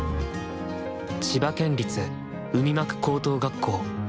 千葉県立海幕高等学校。